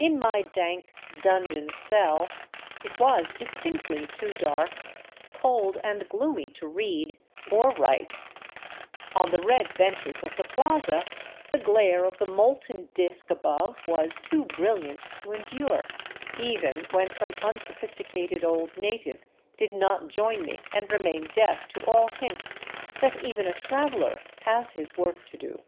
In my dank, dungeon cell it was distinctly too dark, cold, and gloomy to read or write; on the red benches of the plaza the glare of the molten disk above was too brilliant to endure, even when some unsophisticated old native did not join me and remain deaf to all hints that even a traveler has his work to do.